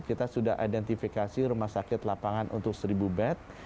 kita sudah identifikasi rumah sakit lapangan untuk seribu bed